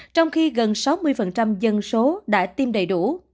trong khi gần sáu mươi dân số đã tiêm đầy đủ